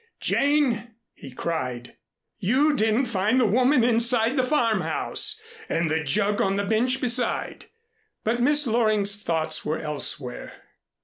"Jane," he cried, "you didn't find the woman inside the farmhouse! And the jug on the bench beside " But Miss Loring's thoughts were elsewhere.